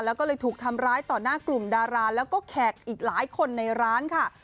แล้วก็เลยถูกทำร้ายต่อหน้ากลุ่มดาราแล้วก็แขกอีกหลายคนในร้านค่ะ